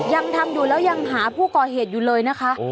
ยังทำอยู่แล้วยังหาผู้ก่อเหตุอยู่เลยนะคะ